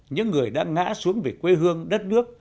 những người đã ngã xuống về quê hương đất nước